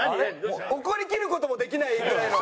怒りきる事もできないぐらいの。